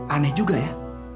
aneh juga ya